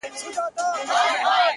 • هم برېتونه هم لكۍ يې ښوروله,